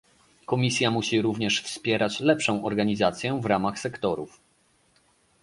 Komisja musi również wspierać lepszą organizację w ramach sektorów